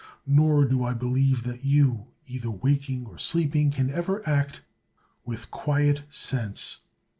Nor do I believe that you, either wa king or sleeping, can ever act with quiet sense.